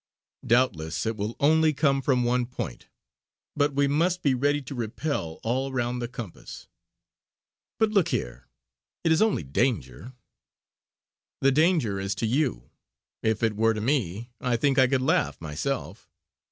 Doubtless it will only come from one point; but we must be ready to repel, all round the compass." "But, look here, it is only danger." "The danger is to you; if it were to me, I think I could laugh myself.